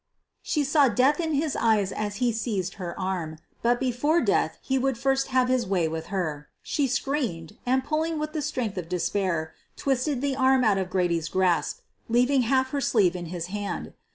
She saw death in his eyes as he seized her arm, but before death he would first have his way with her. She screamed and, pulling with the strength of despair, twisted the arm out of Grady's grasp, leaving half her sleeve in his hand.